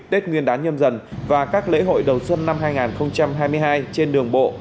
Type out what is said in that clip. tết nguyên đán nhâm dần và các lễ hội đầu xuân năm hai nghìn hai mươi hai trên đường bộ